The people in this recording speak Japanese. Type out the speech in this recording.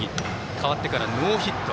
代わってからノーヒット。